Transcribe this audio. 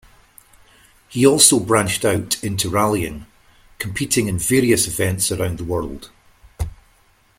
He also branched out into rallying, competing in various events around the world.